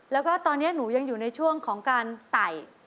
แล้วก็ตอนนี้หนูยังอยู่ในช่วงของการไต่